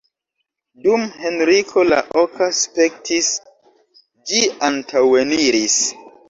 Dum Henriko la oka spektis, ĝi antaŭeniris.